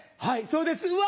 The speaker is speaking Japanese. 「はいそうです」。